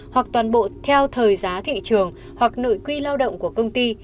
hoặc toàn bộ theo thời giá thị trường hoặc nội quy lao động của công ty